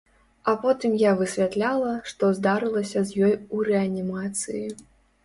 А потым я высвятляла, што здарылася з ёй у рэанімацыі.